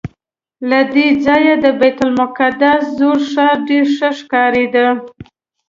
له دې ځایه د بیت المقدس زوړ ښار ډېر ښه ښکارېده.